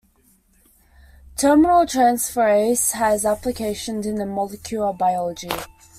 Terminal transferase has applications in molecular biology.